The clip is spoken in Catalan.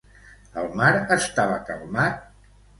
El mar estava calmat?